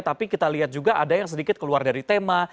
tapi kita lihat juga ada yang sedikit keluar dari tema